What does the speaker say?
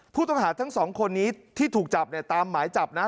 ผู้ต้องหาทั้งสองคนนี้ที่ถูกจับเนี่ยตามหมายจับนะ